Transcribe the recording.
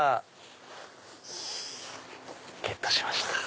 ゲットしました。